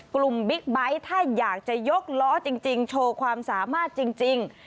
บิ๊กไบท์ถ้าอยากจะยกล้อจริงโชว์ความสามารถจริง